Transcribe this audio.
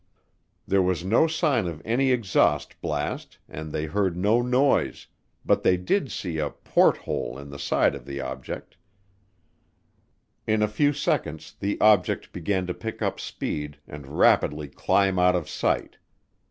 There was no sign of any exhaust blast and they heard no noise, but they did see a "porthole" in the side of the object. In a few seconds the object began to pick up speed and rapidly climb out of sight.